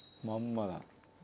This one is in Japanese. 「まんまだ。